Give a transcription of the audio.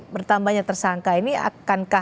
bertambahnya tersangka ini akankah